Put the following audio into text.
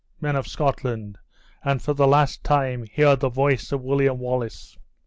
men of Scotland, and for the last time hear the voice of William Wallace."